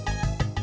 saya sudah selesai